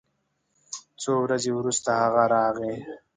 څو ورځې وروسته هغه راغی